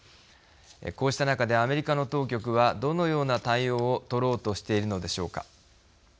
こうした中で、アメリカの当局はどのような対応を取ろうとしているのでしょうか。